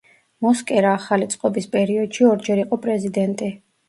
მოსკერა ახალი წყობის პერიოდში ორჯერ იყო პრეზიდენტი.